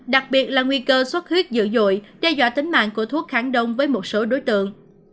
đặc biệt là nguy cơ xuất huyết dữ dội đe dọa tính mạng của thuốc kháng đông với một số đối tượng